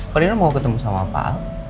pak nino mau ketemu sama pak al